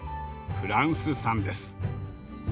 フランス産です。